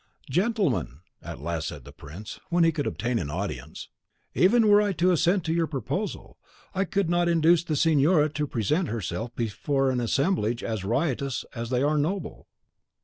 'Gentlemen,' at last said the prince, when he could obtain an audience, 'even were I to assent to your proposal, I could not induce the signora to present herself before an assemblage as riotous as they are noble.